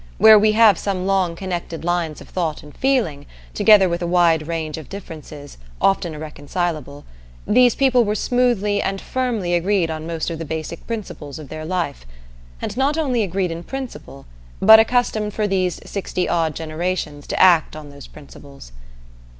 Where we have some long connected lines of thought and feeling, together with a wide range of differences, often irreconcilable, these people were smoothly and firmly agreed on most of the basic principles of their life; and not only agreed in principle, but accustomed for these sixty odd generations to act on those principles.